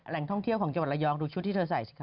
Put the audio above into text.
ท่องเที่ยวของจังหวัดระยองดูชุดที่เธอใส่สิคะ